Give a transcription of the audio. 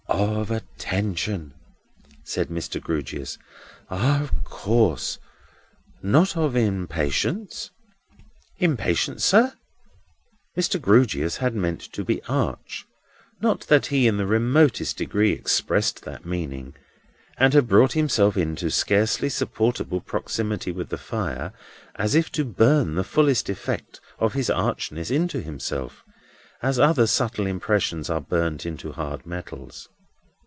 "Of attention!" said Mr. Grewgious. "Ah! of course, not of impatience?" "Impatience, sir?" Mr. Grewgious had meant to be arch—not that he in the remotest degree expressed that meaning—and had brought himself into scarcely supportable proximity with the fire, as if to burn the fullest effect of his archness into himself, as other subtle impressions are burnt into hard metals.